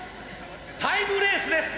タイムレースです。